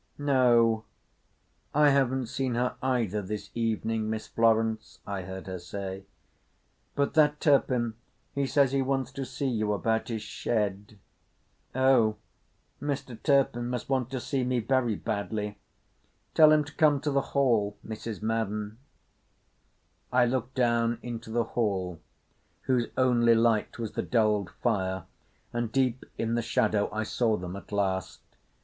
"No, I haven't seen her either this evening, Miss Florence," I heard her say, "but that Turpin he says he wants to see you about his shed." "Oh, Mr. Turpin must want to see me very badly. Tell him to come to the hall, Mrs. Madden." I looked down into the hall whose only light was the dulled fire, and deep in the shadow I saw them at last.